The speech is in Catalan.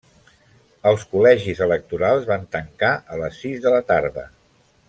Els col·legis electorals van tancar a les sis de la tarda.